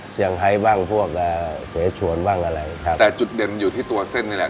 ไฮบ้างพวกเสชวนบ้างอะไรครับแต่จุดเด่นมันอยู่ที่ตัวเส้นนี่แหละ